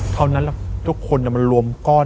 เท่านั้นทุกคนมันรวมก้อน